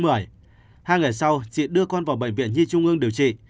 hai ngày sau chị đưa con vào bệnh viện nhi trung ương điều trị